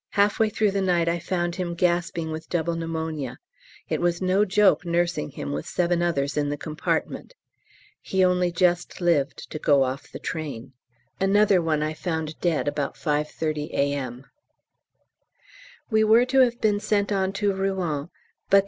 Half way through the night I found him gasping with double pneumonia; it was no joke nursing him with seven others in the compartment. He only just lived to go off the train. Another one I found dead about 5.30 A.M. We were to have been sent on to Rouen, but the O.